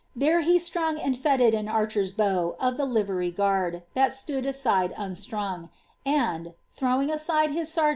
There he strung and fettled an archer^s bow of the livery guard that stood aside unstrung, and^ throwing aside his sergeaii;^ > Strype, fjom Ed.